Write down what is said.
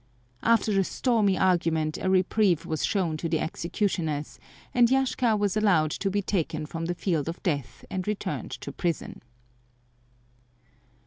After a stormy argument a reprieve was shown to the executioners and Yashka was allowed to be taken from the field of death and returned to prison.